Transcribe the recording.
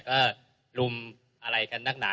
ก็ลุมอะไรกันนักหนา